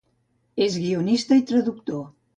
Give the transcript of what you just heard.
És guionista i traductor.